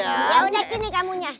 ya udah sini kamunya